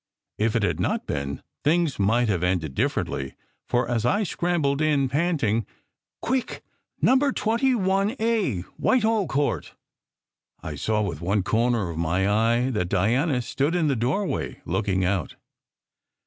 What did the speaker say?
If it had not been things might have ended differently; for as I scrambled in, panting, "Quick, number 21a Whitehall Court!" I saw, with one corner of my eye, that Diana stood in the doorway looking out.